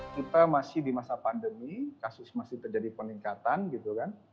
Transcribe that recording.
kita masih di masa pandemi kasus masih terjadi peningkatan gitu kan